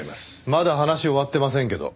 まだ話終わってませんけど。